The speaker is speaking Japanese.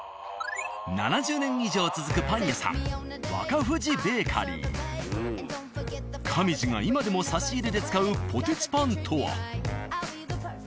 ７０年以上続くパン屋さん上地が今でも差し入れで使うポテチパンとは？